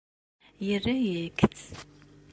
Yerra-yak-tt.